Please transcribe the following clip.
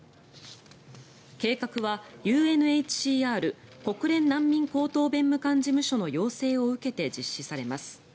計画はＵＮＨＣＲ・国連難民高等弁務官事務所の要請を受けて実施されます。